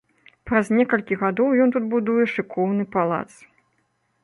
Праз некалькі гадоў ён тут будуе шыкоўны палац.